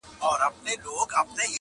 په دعا او په تسلیم يې کړ لاس پورته،